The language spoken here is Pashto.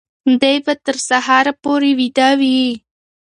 دی به تر سهاره پورې ویده وي.